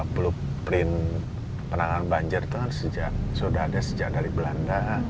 blueprint penanganan banjir itu kan sudah ada sejak dari belanda